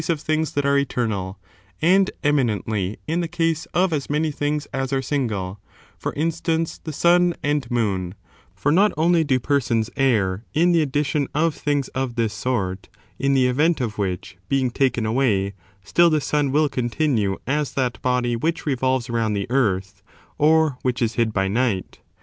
^'^ of things that are eternal, and eminently in the case of as many things as are single ; for instance, the sun^ and moon : for not only do persons err in the addition of things of this sort, in the event of which being taken away still the sun will continue as that body which revolves round the earth, or which is hid by night.